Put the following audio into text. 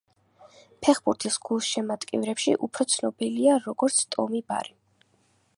ფეხბურთის გულშემატკივრებში უფრო ცნობილია როგორც ტომი ბარი.